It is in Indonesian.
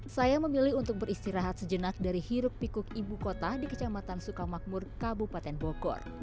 saya memilih untuk beristirahat sejenak dari hiruk pikuk ibu kota di kecamatan sukamakmur kabupaten bogor